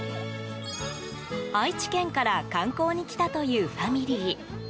愛知県から観光に来たというファミリー。